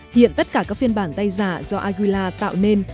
hiện tất cả các phiên bản tay giả do agila tạo nên